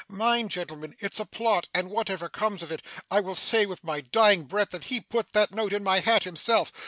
Mind, gentlemen, it's a plot, and whatever comes of it, I will say with my dying breath that he put that note in my hat himself!